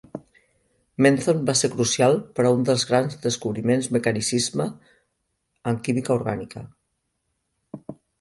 Menthone va ser crucial per a un dels grans descobriments mecanicisme en química orgànica.